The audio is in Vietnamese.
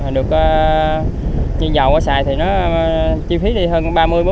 được như dầu xài thì nó chi phí đi hơn ba mươi bốn mươi